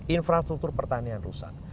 infrastruktur pertanian rusak